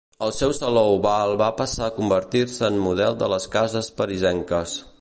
El seu saló oval va passar a convertir-se en model de les cases parisenques.